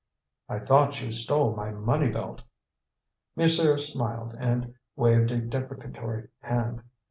"I thought you stole my money belt." Monsieur smiled and waved a deprecatory hand.